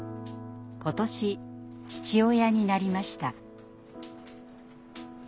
今年父親になりました。